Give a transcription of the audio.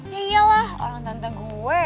iyalah orang tante gue